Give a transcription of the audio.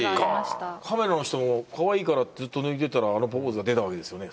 カメラの人もかわいいからずっと抜いてたらあのポーズが出たわけですよね。